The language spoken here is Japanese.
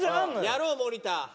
やろう森田！